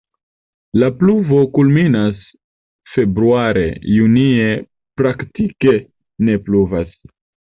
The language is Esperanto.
La pluvo kulminas februare, junie praktike ne pluvas.